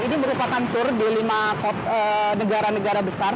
ini merupakan tur di lima negara negara besar